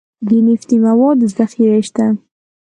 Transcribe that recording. د نفتي موادو ذخیرې شته